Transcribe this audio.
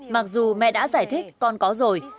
mặc dù mẹ đã giải thích con có rồi